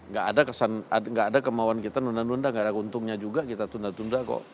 nggak ada kemauan kita nunda nunda nggak ada untungnya juga kita tunda tunda kok